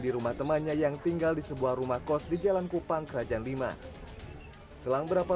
di rumah temannya yang tinggal di sebuah rumah kos di jalan kupang kerajaan lima selang berapa